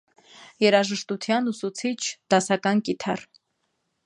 Երաժշտութեան ուսուցիչ՝ դասական կիթառ։